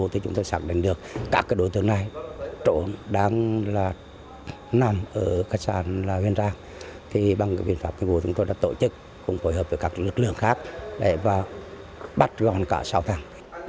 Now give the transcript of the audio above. trốn đáng là năm ở khách sạn huyền giang thì bằng biện pháp tình vụ chúng tôi đã tổ chức cùng phối hợp với các lực lượng khác để bắt gọn cả sáu thằng